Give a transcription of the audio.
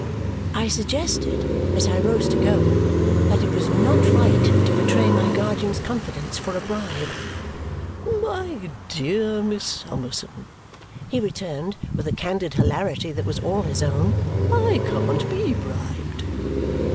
I suggested, as I rose to go, that it was not right to betray my guardian's confidence for a bribe. "My dear Miss Summerson," he returned with a candid hilarity that was all his own, "I can't be bribed."